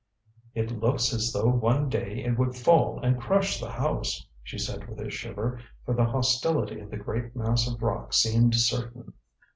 "It looks as though one day it would fall and crush the house," she said with a shiver, for the hostility of the great mass of rock seemed certain.